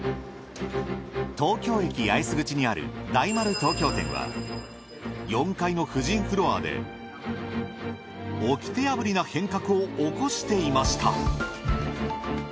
東京駅八重洲口にある大丸東京店は４階の婦人フロアでおきて破りな変革を起こしていました。